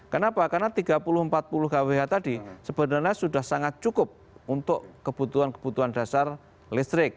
kenapa karena tiga puluh empat puluh kwh tadi sebenarnya sudah sangat cukup untuk kebutuhan kebutuhan dasar listrik